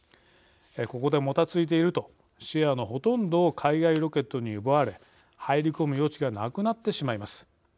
ここで、もたついているとシェアのほとんどを海外ロケットに奪われ入り込む余地がなくなってしまいます。